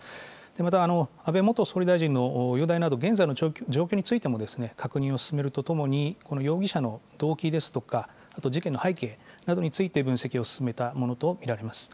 また、安倍元総理大臣の容体など、現在の状況についても確認を進めるとともに、この容疑者の動機ですとか、あと事件の背景などについて、分析を進めたものと見られます。